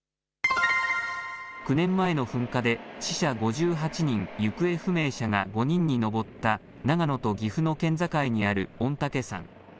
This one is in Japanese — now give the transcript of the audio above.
９年前の噴火で、死者５８人、行方不明者が５人に上った長野と岐阜の県境にある御嶽山。